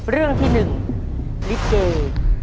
เรื่องที่๑ลิเก